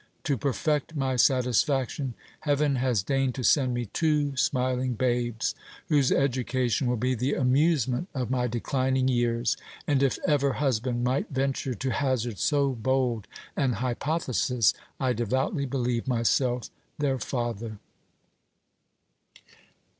To perfect my satisfaction, heaven has deigned to send me two smiling babes, whose education will be the amusement of my declining years ; and if ever husband might venture to hazard so bold an hypothesis, I devoutly believe myself their father.